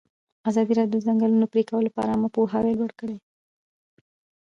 ازادي راډیو د د ځنګلونو پرېکول لپاره عامه پوهاوي لوړ کړی.